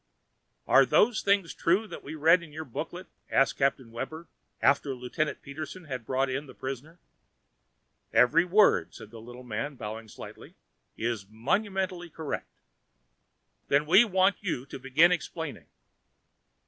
"Are those things true, that we read in your booklet?" asked Captain Webber after Lieutenant Peterson had brought in the prisoner. "Every word," said the little man bowing slightly, "is monumentally correct." "Then we want you to begin explaining."